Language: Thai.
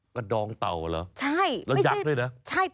กระดองเต่าเหรอแล้วยักษ์ด้วยนะใช่